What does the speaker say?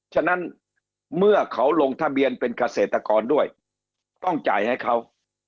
ฉะนั้นเมื่อเขาลงทะเบียนเป็นเกษตรกรด้วยต้องจ่ายให้เขา